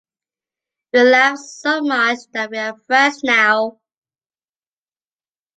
We laughed so much that we are friends now.